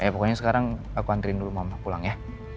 pokoknya sekarang aku anterin dulu mama pulang ya